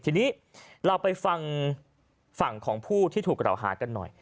ทีนี้เราไปฟังฝั่งของผู้ที่ถูกกล่าวหากันหน่อย